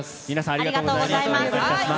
ありがとうございます。